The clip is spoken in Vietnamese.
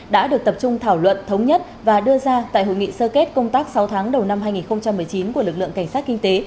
đã được tập trung thảo luận thống nhất và đưa ra tại hội nghị sơ kết công tác sáu tháng đầu năm hai nghìn một mươi chín của lực lượng cảnh sát kinh tế